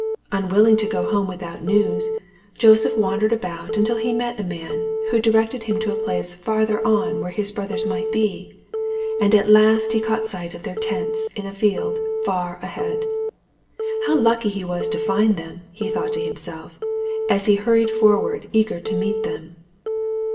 Unwilling to go home without news, Joseph wandered about until he met a man who directed him to a place farther on where his brothers might be, and at last he caught sight of their tents in a field far ahead. How lucky he was to find them, he thought to himself, as he hurried forward eager to meet them.